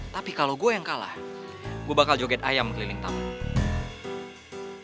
tapi kalau gue yang kalah gue bakal joget ayam keliling taman